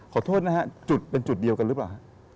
ขอโทษนะฮะจุดเป็นจุดเดียวกันหรือเปล่าฮะ